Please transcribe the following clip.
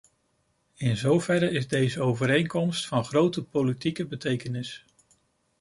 In zoverre is deze overeenkomst van grote politieke betekenis.